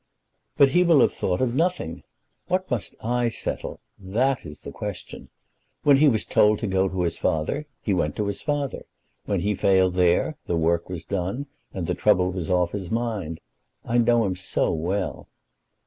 "But he will have thought of nothing. What must I settle? That is the question. When he was told to go to his father, he went to his father. When he failed there the work was done, and the trouble was off his mind. I know him so well."